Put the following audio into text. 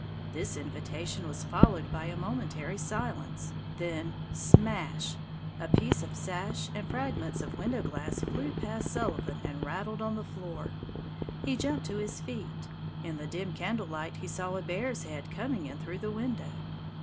This invitation was followed by a momentary silence, then smash! a piece of sash and fragments of window glass flew past Sullivan and rattled on the floor. He jumped to his feet. In the dim candle light he saw a bear's head coming in through the window.